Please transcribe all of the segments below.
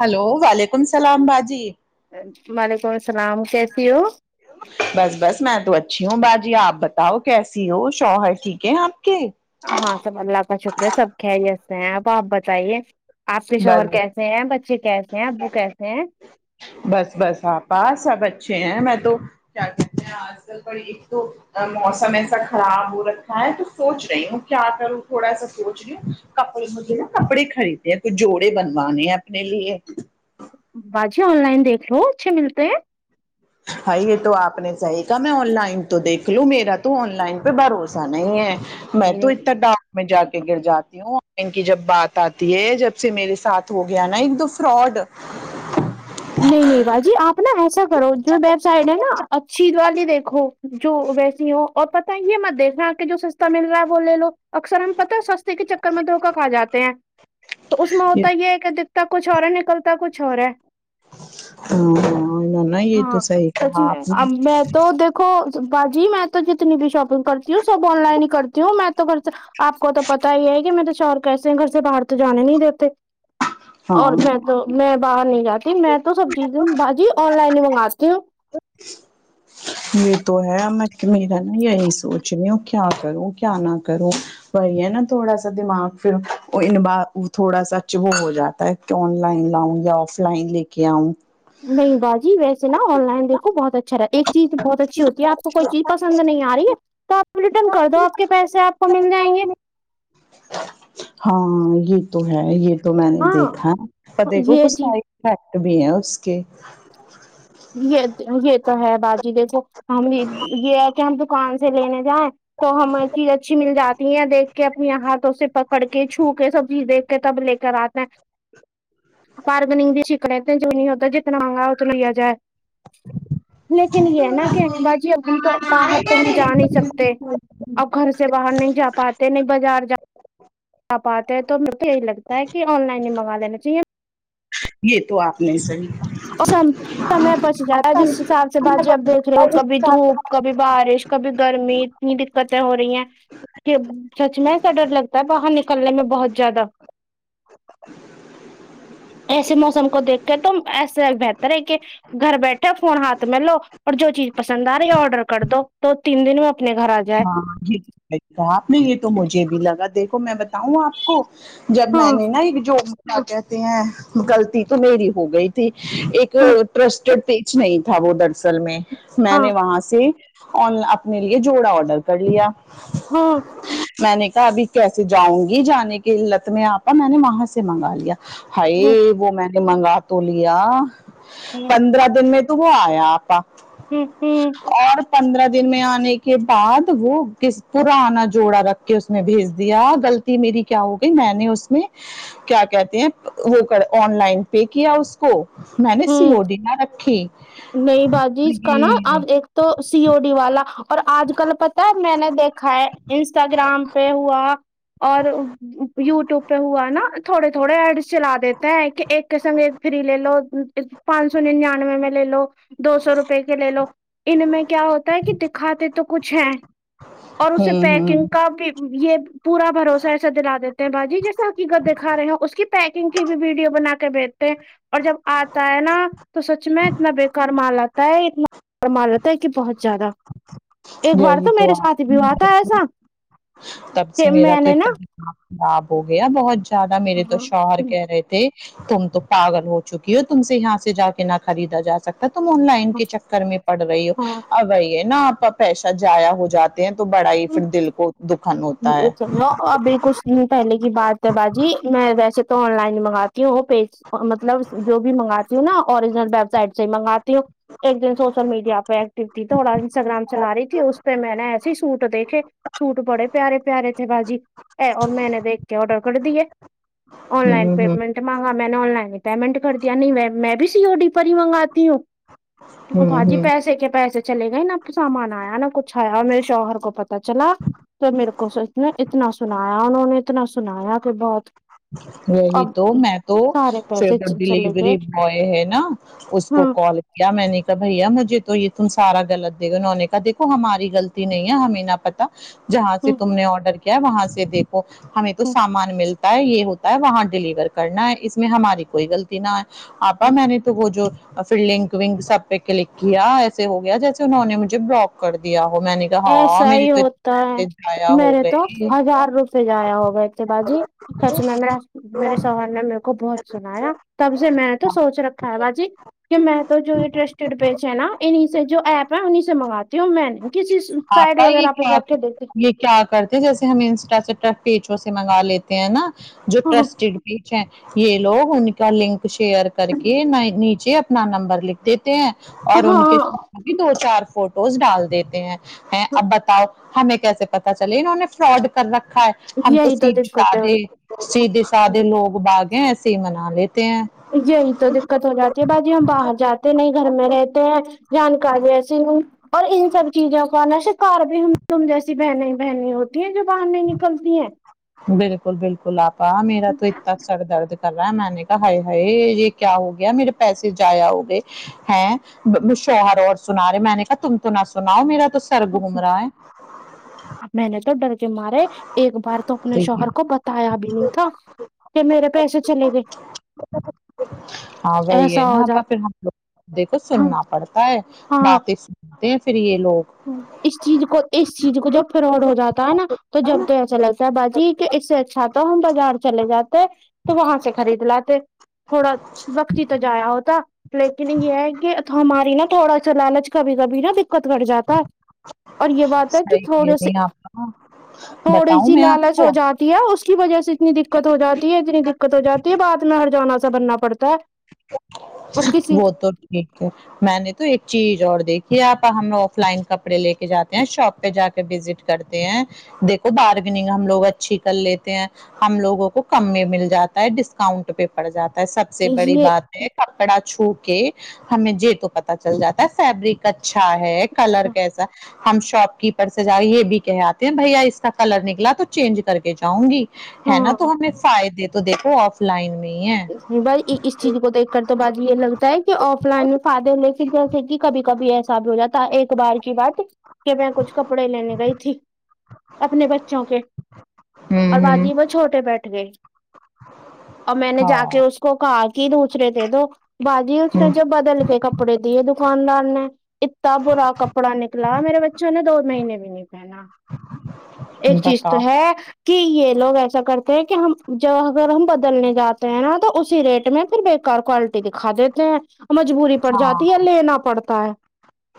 hello وعلیکم اسلام باجی وعلیکم السلام کیسی ہو بس بس میں تو اچھی ہوں باجی آپ بتاؤ کیسی ہو شوہر ٹھیک ہے آپ کے ہاں سب اللہ کا شکر ہے سب خسے ہیں اب آپ بتائیے آپ کے شوہر بس کیسے کیس ہیں بچے کیس ہیں ابو کیس ہیں بس بس آپا سب اچھے ہیں میں تو کیا کہتے ہیں ال پر ایک تو موسم ایسا خراب ہو رکھا ہے تو سوچ رہی ہوں کیا کروں تھوڑا سا سوچ رہی ہوں کپڑے مجھے نا کپڑے خریدتے ہیں کچھ جوڑے بنوانے ہیں اپنے لیے باجی آن لائن دیکھ لو اچھے ملتے ہیں بھائی یہ تو آپ نے صحیح کہا میں آن لائن تو دیکھ لوں میرا تو آن لائن پہ بھروسہ نہیں ہے میں نہیں تو نہیں اتنا ڈاک میں جا کے گر جاتی ہوں ان کی جب بات آتی ہے جب سے میرے ساتھ ہو گیا نا ایک دو فراڈ نہیں نہیں باجی آپ نا ایسا کرو جو ویب سائڈ ہے نا اچھی والی دیکھو جو ویسی ہو اور پت ہی یہ م دیکھ رہا کہ جو سسٹم مل رہا ہے وہ لے لو اکثر ہم پتا سستے کے چکر میں دھوکا کھا جے ہیں تو اس میں ہوتا یہ ہے کہ دکھتا کچھ اور ہے نکلتا کچھ اور ہے ہاں انوں نےا یہ تو ہاں صحیح کہا آپ نے دھو باجی میں تو جتنی بھی شاپنگ کرتی ہوں سب آن لائن ہی کرتی ہوں میں تو کر آپ کو تو پتا ہی ہے کہ میں تو چاور کیسے ہیں گھر سے باہر تو جانے نہیں دیتے اور ہاں میں تو میں باہر نہیں جاتی میں تو سب چیزیں بھجی آن لائن ہی منگاتی ہوں یہ تو ہے میں میرا نا یہی سوچ رہی ہو کیا کروں کیا نہ کروں وہی ہے نا تھوڑا سا دماغ پھر ان تھوڑا ساچ وہ ہو جاتا ہے کہ آن لائن لاؤ یا آف لائن لے کے آؤں نہیں باجی ویسے جناب آن لائن دیکو بہت اچھا رہا ایک چیز بہت اچھی ہوتی ہے آپ کوئی چیز پسند نہیں آ رہی ہے تو آپ ریٹرن کر دو آپ کے پیسے آپ کو مل جائیں گے ہاں یہ تو ہے یہ تو میں نے ہاں دیکھا دیکھو یہ کچھ چیز سائڈفیکٹ بھی ہیں اس کے یہ یہ تو ہے باجی دیکھو ہم یہ ہے کہ ہم دکان سے لینے جائیں تو ہمیں چیز اچھی مل جاتی دیکھ کے اپنی ہاتھوں سے پکڑ کے چھو کے سب چیز دیک کے تب لے کر آتے ہیں بارگنگ بھی سیکھنا جو ضروری ہوتا جتنا مگا اتنا لیا جائے لیکن یہ نا کہ باجی ہم تو باہر تو ہم جا نہیں سکتے اب گھر سے باہر نہیں جاتا پاتے نہیں بازار جا آ آے ہیں تو میرے تو یہی لگتا ہے کہ آن لائن ہی منگا لینا چاہیے یہ تو آپ نے صحیح اور سمے بچ جاتا ہے جس حساب سے بعد جب دیکھ لو کبھی دھوپ کبھی بارش کبھی گرمی اتنی دقتیں ہو رہی ہیں کہ سچ میں ایسا ڈر لگتا ہے باہر نکلنے میں بہت زیادہ ایسے موسم کو دیکھ کے تو ایسا بہتر ہے کہ گھر بیٹھے فون ہاتھ میں لو اور جو چیز پسند آ رہی ہے آڈر کر دو تو تین دن میں اپنے گھر آ جائے ہاں جی اپ نے یہ تو مجھے بھی لگا دیکھو میں بتاؤں آپ کو جب ہاں میں نے نا ایک جو کہتے ہیں غلطی تو میری ہو گئی تھی ایک ہاں ٹرسٹڈ پیج نہیں تھا وہ دراصل میں میں ہاں نے وہاں سے اپنے لیے جوڑا آڈر کر لیا ہاں میں نے کہا ابھی کیسے جاؤں گی جانے کی علت میں آتا میں نے وہاں سے منگا لیا ہائی ہ وہ میں نے منگا تو لیا پندرہ دن میں تو وہ آیا آپا ہوں ہوں اور پندرہ دن میں آنے کے بعد وہ ک پرانا جوڑا رکھ کے اس میں بھیج دیا غلطی میری کیا ہو گئی میں نے اس میں کیا کہتے ہیں وہ کرتا آن لائن پے کیا اس کو میں نے ہ ہ سی او ڈی نہ رکھے نئی باجی کا نا اب ایک تو سی او ڈی والا اور آج کل پتا ہے میں نے دیکھا ہے انسٹاگرام پہ ہوا اور یوٹیوب پہ ہوا نا تھوڑے تھوڑے ایڈ چلا دیتے ہیں کہ ایک سنگ فری لے لو پانچ سو ننانوے میں لے لو دو سو روپئے کے لے لو ان میں کیا ہوتا ہے کہ دکھاتے تو کچھ ہیں اور ہ اسے ہ پیکنگ کا بھی یہ پورا بھروسہ ایسا دلا دیتے ہیں باجی جیسےحقیقت دکھا رہے ہو اس کی پیکنگ کی بھی ویڈیو بنا کےدے اور جب آتا ہے نا تو سچ میں اتنا بیکار مال آتا ہے اتنا پر مان رہتا ہے کہ بہت زیادہ ایک بار یہی تو میرے ساتھی بو آپ آتا ایسا تب کہ سے میرا میں تو نے نا اتنا دماغ خراب ہو گیا بہت زیادہ میرے تو شوہر ہاں کہہ رہے تھے تم تو پاگل ہو چکی ہو تم سے یہاں سے جا کے نہ خریدا جا سکتا تم آن لائن کے چکر میں پڑ رہی ہو ہاں اب یہ ہے نا آپ کا پیسہ جایا ہو جاتا ہیں تو بڑا ہی پھر دل کو دکھان ہو آپ بالکل پہلے کی بات ہے باجی میں ویسے تو آن لائن منگاتی ہوں پی مطلب جو بھی منگاتی ہوں نا اوریجنل ویب سائٹ سے ہی منگاتی ہوں ایک دن سوشل میڈیا پہ ایکٹیو تھی تو تھوڑا انسٹاگرام چلا رہی تھی اس پہ میں نے ایسے سوٹ دیکھے سوٹ بڑے پیارے پیارے تھے باجی ا اور میں نے دیک کے آڈر کر دیے آن لائن ہوں ہ پیمنٹ مانگا میں نے آن لائن ہی پیمنٹ کر دیا نہیں میں بھی سی او ڈی پر ہی منگاتی ہوں ہوں بھجی ہ پیسے کے پیسے چلے گئے نہ سامان آیا نہ کچھ آیا میرے شوہر کو پتا چلا تو میرے کو اتنا سنایا انہوں نے اتنا سنایا کہ بہت وہی اب تو میں تو سارے پھر پیسے وہ چلے گئے ڈیلیوری بوائے ہے نا اس کو ہاں کال میں نے کہا بھیا مجھے تو یہ تم سارا غلط دے گے انہوں نے کہا دیکو ہماری غلطی نہیں ہے ہمیں نہ پتا جہاں سے ہوں تم نے آڈر کیا وہاں سے دیکھو ہمیں تو ہوں سامان ملتا ہے یہ ہوتا ہے وہاں ڈیلیور کرنا ہے اس میں ہماری کوئی غلطی نہ ہے آپا ہوں میں نے تو وہ جو پھر لنک ونک سب پہ کلک کیا ایسے ہو گیا جیسے انہوں نے مجھے بلاک کر دیا ہو میں نے کہا ہاں ایسا میری ہی تو ہوتا اتنے پیسے ہے ضائع ہو میرے تو گئے ہزار روپے جضایا ہو گئے تھے باجی سچ مے میرے شوہر نے میرے کو بہت سنایا تب سے میں نے تو سوچ رکھا ہے باجی کہ میں تو جو یہٹرسٹیڈ پیج ہے نا انہیں سے جو ایپ ہے سے منگاتی ہوں میں کسی سے سائڈ آپا یہ وغیرہ کیا پےجا کے دیتی یہ کیا کرتے جیسے ہم انسٹا سے پیچو سے منگا لیتے ہیں نا جوٹر ہاں ٹسٹیڈ یہ لوگ ان کا لنک شیئر کر کے نیچے اپنا نمبر لکھ دیتے ہیں اور ان کے ہاں بھی دو چار فوٹوز ڈال دیتے ہیں ہیں اب بتاؤ ہمیں کیسے پتا چلے انہوں نے فراڈ کر رکھا ہے ہم تو یہی سیدھے دقتیں ہو سادے سیدھے رہی سادے لوگ باغیں ایسے ہی منا لیتے ہیں یہی تو دقت ہو جاتی ہے باجی ہم باہر جاتے نہیں گھر میں رہتے ہیں جانکاری ایسی اور ان سب چیزوں کو نش کار بھی تم جیسی بہنیں بہنیں ہوتی ہیں جو باہر نہیں نکلتی ہیں بالکل بالکل آپا میرا تو اتتا سر درد کر میں نے کہا ہائے ہائے یہ کیا ہو گیا میرے پیسے جایا ہو گئے ہے شوہر اور سنا رہے میں نے کہا تم تو نہ سناؤ میرا تو سر گھوم رہا ہے اب میں نے تو ڈر کے مارے ایک بار تو اپنے شوہر کو بتایا بھی نہیں تھا کہ میرے پیسے چلے گئے ہاں وہی ہے ایسا ہو نا آپا پھر جاتا ہم لوگے کو ہاں سننا پڑتا ہے ہاں باتیں سنتے ہیں فری یہ لوگ اس چیز کو اس چیز کو جب فراڈ ہو جاتا ہے نا تو جب تو ایسا لگتا ہے باجی کہ اس سے اچھا تو ہم بازار چلے جاتے تو وہاں سے خرید لاتے تھوڑا وقت ہی تو جایا ہوتا لیکن یہ ہے کہ ہماری نا تھوڑا سا لالچ کبھی کبھی نا دقت گٹ جائے اور یہ بات ہے کہ صحیح کہہ تھوڑے رہی س ہیں آپا تھوڑی بتاؤں سی میں آپ لالچ کو ہو جاتا ہے اس کی وجہ سے اتنی دقت ہو جاتی ہے اتنی دقت ہو جاتی ہے بات میں ہر جانہ سا بننا پڑتا ہے اور کسی وہ تو ٹھیک ہے میں نے تو ایک چیز اور دیکھی آپا ہم آف لائن کپڑے لے کے جاتے ہیں شاپ پہ جا کے وزٹ کرتے ہیں دیکھو بارگننگ ہم لوگ اچھی کر لیتے ہیں ہم لوگوں کو کم میں مل جاتا ہے ڈسکاؤنٹ پہ پڑ جاتا ہے سب سے بڑی یہ بات کپڑا چھو کے ہمیں ج تو پتا چل جاتا ہے فیبرک اچھا ہے کلر کیسا ہم شاپ کیپر سے جا یہ بھی کہ آتے ہیں بھیا اس کا کلر نکلا تو چینج کر کے جاؤں گی ہے نا تو ہاں ہمیں فائدے تو دیکھو آف لائن میں ہی ہے بائی اس اس چیز کو دیکھ کر تو باجی یہ لگتا ہے کہ آف لائن میں فائدے لکنے پھر جیسے کہ کبھی کبھی ایسا بھی ہو جاتا ایک بار کی بات کہ میں کچھ کپڑے لینے گئی تھی اپنے بچوں کے ہوں اور ہوں باجی وہ چھوٹے بیٹھ گئے اور میں نے جا ہاں کے اس کو کہا کہ دوسرے دے دو باجی اس ہوں نے جو بدل کے کپڑے دیے دکاندار نے اتنا برا کپڑا نکلا میرے بچوں نے دو مہینے بھی نہیں پہنا ایک چیز تو بتاؤ ہے کہ یہ لوگ ایسا کرتے ہیں کہ ہم جو اگر ہم بدلنے جاتے ہیں نا تو اسی ریٹ میں پھر بےکار کولٹی دکھا دیتے ہیں مجبوری پڑ ہاں جاتی ہے لینا پڑتا ہے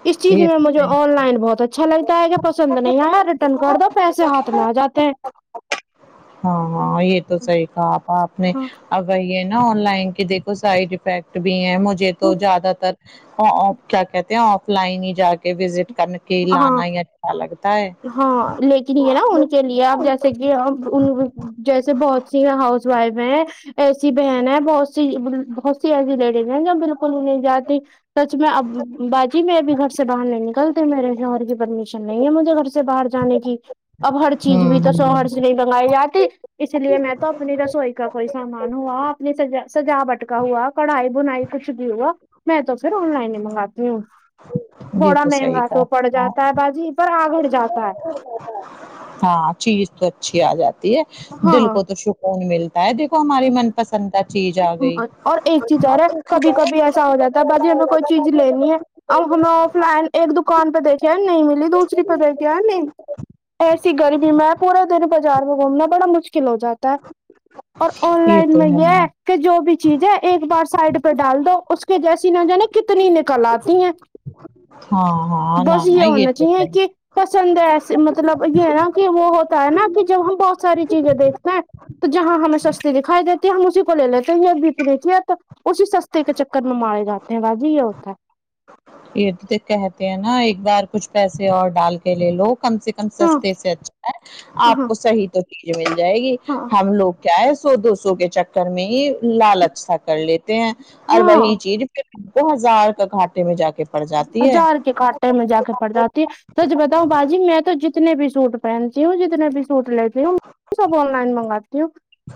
اس چیز یہ میں تو مجھے صحیح آن لائن بہت اچھا لگتا ہے کہ پسند نہیں ایا ریٹرن کر دو پیسے ہاتھ اتنا آ جاتے ہیں ہاں ہاں یہ تو صحیح کہا آپا آپ نے ہاں اب یہ نہ آن لائن کے دیکھو سائڈ افیکٹ بھی ہیں مجھے تو زیادہ تر اور آ کیا کہتے ہیں آف لائن ہی جا کے وزٹ کرنے کے ہاں لانا ہی اچھا لگتا ہے ہاں لیکن یہ نہ ان کے لیے اپ جیسے کہ ان جیسے بہت سی ہاؤس وائف ہیں ایسی بہن ہے بہت سی بہت سی ایسی لیڈیز ہیں جو بالکل نہیں جاتی سچ میں اب باجی میں ابھی گھر سے باہر نئی میرے شوہر کی پرمیشن نہیں ہے مجھے گھر سے باہر جانے کی اب ہر چیز بھی ہوں تو شوہر ہوں سے رنگائی تی اس لیے میں تو اپنی رسوئی کا کوئی سامان ہوا اپنی سا سجاوٹ کا ہوا کڑھائی بھونای کچھ بھی ہوا میں تو پھر آن لائن ہی منگاتی ہوں یہ تھوڑا صحیح مہنگا تو کہا پڑ جاتا ہے باجی پر آگڑ جاتا ہے ہاں ہاں چیز تو اچھی آ جاتی ہے دل ہاں کو تو سکون مل ہے دیکو ہمارے من پسند کا چیز آ گئی اور ایک چیز اور ہے کبھی کبھی ایسا ا ہم نےاف لائن ایک دکان پہ دیکھے نہیں ملی دوسری پہ دیکھے ہیں نہیں ایسی گر بی میں پورے بازار میں گھومنا بڑا مشکل ہو جاتا ہے اور آن لائن تو میں ہے نا یہ کہ جو بھی چیز ہے ایک بار سائڈ پہ ڈال دو اس کے جیسی نہ جا نے کتنی نکل آتی ہیں ہاں ہاں نہ بس یہ نہ ہونا تو چاہیے ہے کہ پسند ہے ایسے مطلب یہ نا کہ وہ ہوتا ہے نا کہ جب ہم بہت ساری چیزیں دیکھتے ہیں تو جہاں ہمیں سستی دکھائی دیتے ہے ہم اس کو کو لے لیتے [unintelligible] اسی سستے کے چکر میں مارے جاتے ہیں با جی یہ ہوتا ہے یہ تو کہتے ہیں نا ایک بار کچھ پیسے اور ڈال کے لے لو کم سے کم ستے ہاں سے اچھا ہے آپ ہاں کو صحیح تو چیز مل جائے گی ہاں ہم لوگ کیا ہے سو دو سو کے چکر میں ہی لالچ سا کر لیتے ہیں اور ہاں وہی چیز دو ہزار کا گھاٹے میں جا کے پڑ جاتی ہے ہزار کے کٹ میں جا کے پڑ جاتی سچ بتاؤ باجی میں تو جتنے بھی سوٹ پہنتی ہوں جتنے بھی سوٹ لیتی ہوں سب آن لائن منگاتی ہوں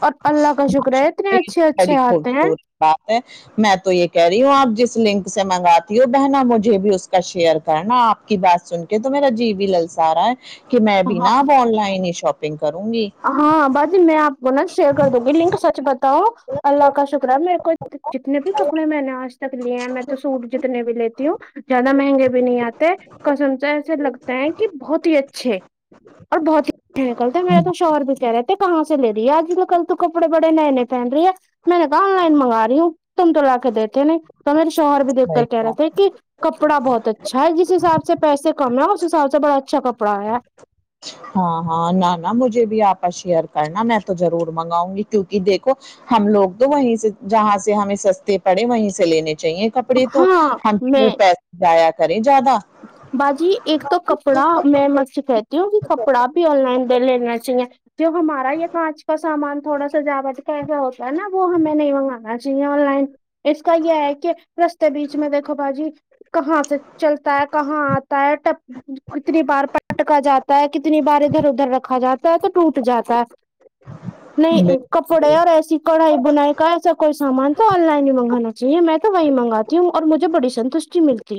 اور اللہ کا شکر ہے اتنے یہ تو اچھے اچھے بڑی آتے ہیں خوبصورت بات ہے میں تو یہ کہہ رہی ہوں آپ جس لنک سے منگاتی ہو بہنا مجھے بھی اس کا شیئر کرنا آپ آپ کی بات سن کے تو میرا جی بھی للسا رہا ہے کہ میں بھی ہاں نا اب آن لائن ہی شاپنگ کروں گی ہاں باجی میں آپ کو نا شیئر کر دوں گی لنک سچ بتاؤں اللہ کا شکر میں میر کو جتنے بھی کپڑے میں نے آج تک لیے ہیں میں تو سوٹ جتنے بھی لیتی ہوں زیادہ مہنگے بھی نہیں آتے کاسمتا ہے ایسے لگتا ہے کہ بہت ہی اچھے اور بہت ہی اچھے نکلتے میر تو شوہر بھی کہہ رہے تھے کہاں سے لے رہی ہے آج تو کل تو کپڑے بڑے نئے نئے پہن رہی ہے میں نے کہا آن لائن منگا رہی ہوں تم تو لا کے دیتے نہیں تو میرے شوہر بھی دیکھ کر کہہ رہے تھے کی کپڑا بہت اچھا ہے جس حساب سے پیسے کم ہے اس حساب سے بڑا اچھا کپڑا آیا ہے ہاں ہاں نہ نہ مجھے بھی آپا شیئر کرنا میں تو ضرور منگاؤں گی کیوکہ دیکھو ہم لوگ تو وہیں سے جہاں سے ہمیں سستے پڑے وہیں سے لینے چاہیے کپڑے تو ہاں ہم میں وہ پیسے ضیا کرے زیادہ باجی ایک تو کپڑا میں مر سے کہتی کیوںکہ کپڑا بھی آن لائن دے لینا چاہیے جو ہمارا یہ کانچ کا سامان تھوڑا سا ذیادہ ہوتا ہے نا وہ ہمیں نہیں منگانا جی آن لائن اس کا یہ ہے کہ رستے بیچ میں دیکھو باجی کہاں سے چلتا ہے کہاں آتا ہے کتنی بار پٹکا جاتا ہے کتنی بار ادھر ادھر رکھا جاتا ہے تو ٹوٹ جاتا ہے نہیں ک کھڑے بالکل، اور ایسی کڑھائی بنائی کا ایسا کوئی سامان تو آن لائن ہی منگانا چاہیے میں تو وہیں منگاتا تی ہوں اور مجھے بڑی سنتوشٹی ملتی ہے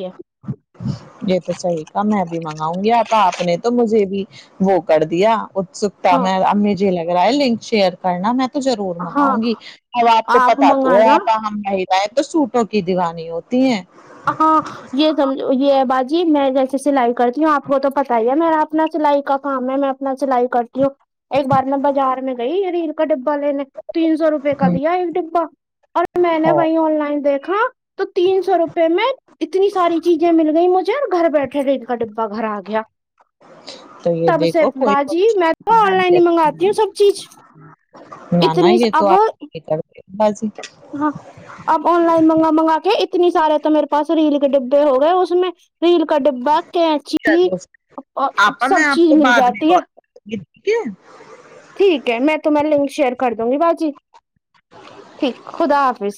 یہ تو صحیح کہا میں بھی منگاؤں گی اب آپ نے تو مجھے بھی وہ کر دیا اتسکتا ہاں میں اب مجھے لگ رہا ہے لنک شیئر کرنا میں تو ضرور ہاں منگاؤں گی اب آپ کو پتا تو ہے آپ ہم مہیلایں تو سوٹوں کی دیوانی ہوتی تی ہے ہاں یہ سمجھو یہ ہے باجی میں جیسے سلاںئی کرتی ہوں آپ کو تو پتا ہی ہے میرا اپنا سلائی کا کام ہے میں اپنا سلائی کرتی ہوں ایک بار میں بازار میں گئی کا ڈبا لینے تین سو روپے کا ہوں، دیا ایک ڈبا اور میں نے اور وہیں آن لائن دیکھا تو تین سو روپے میں اتنی ساری چیزیں مل گئی مجھے اور گھر بیٹھے رہ کا ڈبا گھر آ گیا تو یہ تب سے دیکھو کوئیئی باجی میں تو آن لائن ہی منگاتی ہوں سب چیز نہ نہ اتنی یہ تو اب آپ کر بازی [unintelligible] ہاں اپ آن لائن منگا منگا کے اتنی سارے تو میرے پاس ریل کے ڈبے ہو گئے اس میں ریل کا ڈبا قینچی چلو آپا میں سب آپ چیز کو مل بعد میں جاتی ہے [unintelligible] ٹھیک ہے میں تہ لنک شیئر کر دوں گی با جی ٹھیک خدا حافظ